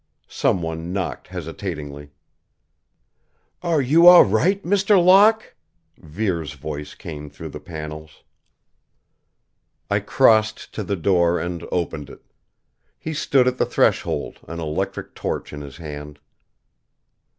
Someone knocked hesitatingly. "Are you all right, Mr. Locke?" Vere's voice came through the panels. I crossed to the door and opened it. He stood at the threshold, an electric torch in his hand.